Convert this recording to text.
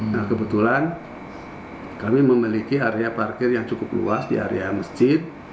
nah kebetulan kami memiliki area parkir yang cukup luas di area masjid